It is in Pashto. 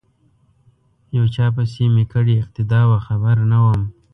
یو چا پسې می کړې اقتدا وه خبر نه وم